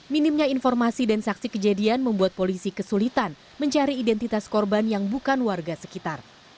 minimnya informasi dan saksi kejadian membuat polisi kesulitan mencari identitas korban yang bukan warga sekitar